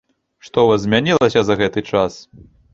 Што ў вас змянілася за гэты час?